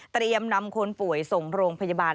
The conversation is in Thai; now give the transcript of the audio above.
เตรียมนำคนผ่วยส่งโรงพยาบาล